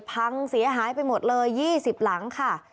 พังเสียหายไปหมดเลย๒๐หลังค่ะ